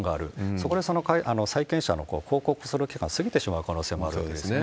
そこで債権者の抗告する機会が過ぎてしまう可能性もあるわけですね。